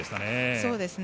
そうですね。